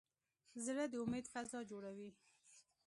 زړه د امید فضا جوړوي.